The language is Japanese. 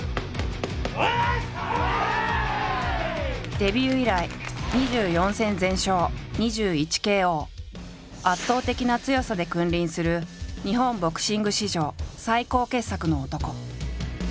デビュー以来圧倒的な強さで君臨する日本ボクシング史上最高傑作の男。